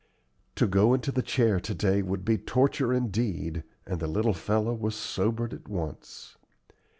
To go into the chair to day would be torture indeed, and the little fellow was sobered at once.